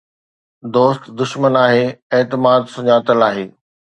دوست دشمن آهي، اعتماد سڃاتل آهي!